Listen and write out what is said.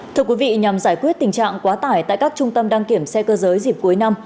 thưa quý vị nhằm giải quyết tình trạng quá tải tại các trung tâm đăng kiểm xe cơ giới dịp cuối năm